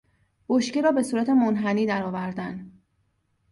بشکه را به صورت منحنی درآوردن